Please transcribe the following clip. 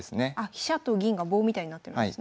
飛車と銀が棒みたいになってるんですね。